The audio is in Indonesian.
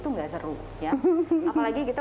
tuh gak seru apalagi kita